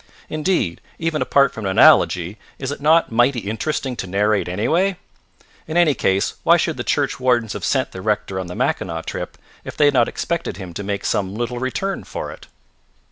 Indeed, even apart from an analogy, is it not mighty interesting to narrate, anyway? In any case, why should the church wardens have sent the rector on the Mackinaw trip, if they had not expected him to make some little return for it?